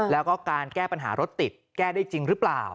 แล้วก็การแก้ปัญหารถติดแก้ได้จริงหรือเปล่า